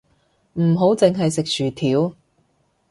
唔好淨係食薯條